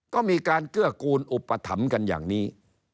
ก็มีการเกื้อกูลอุปถัมภ์กันอย่างนี้